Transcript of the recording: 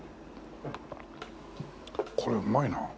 これうまいなあ。